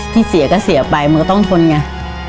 ที่เสียก็เสียไปมันก็ต้องทนไง